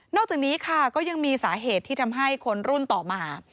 อกจากนี้ค่ะก็ยังมีสาเหตุที่ทำให้คนรุ่นต่อมา